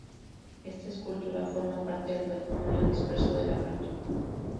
Esta escultura forma parte del patrimonio disperso de la cartuja.